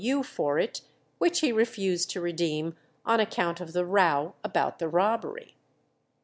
U. for it, which he refused to redeem on account of the row about the robbery.